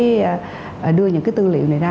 đồng chí cũng hay là có cái đưa những cái tư liệu này ra